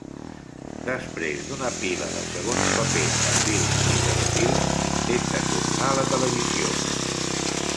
Després d'una pila de segons papers a films i telefilms, intenta tornar a la televisió.